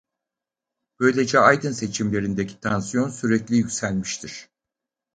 Böylece Aydın seçimlerindeki tansiyon sürekli yükselmiştir.